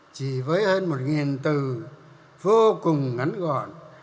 chỉ với hơn một từ vô cùng ngắn gọn